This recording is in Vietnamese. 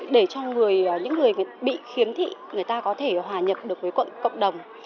để cho những người bị khiếm thị người ta có thể hòa nhập được với cộng đồng